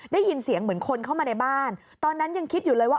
ได้ยินเสียงเหมือนคนเข้ามาในบ้านตอนนั้นยังคิดอยู่เลยว่า